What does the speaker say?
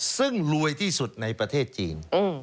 ซึ่งรวยที่สุดในประเทศจีน